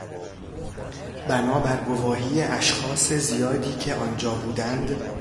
بنا بر گواهی اشخاص زیادی که آنجا بودند